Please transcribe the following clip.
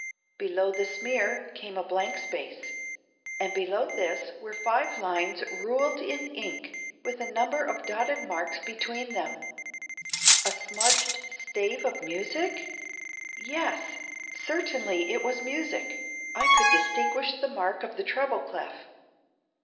Below the smear came a blank space, and below this were five lines ruled in ink with a number of dotted marks between them. ... A smudged stave of music? Yes, certainly it was music. I could distinguish the mark of the treble clef.